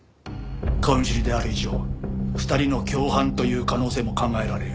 顔見知りである以上２人の共犯という可能性も考えられる。